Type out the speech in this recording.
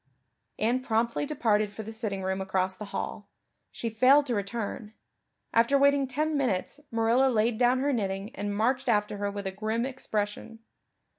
Anne promptly departed for the sitting room across the hall; she failed to return; after waiting ten minutes Marilla laid down her knitting and marched after her with a grim expression.